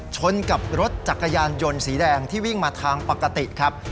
ชนกับรถจักรยานยนต์สีแดงที่วิ่งมาทางปกติครับ